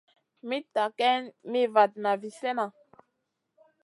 Mitta geyn mi vatna vi slèhna.